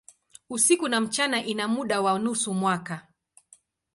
Usiku na mchana ina muda wa nusu mwaka.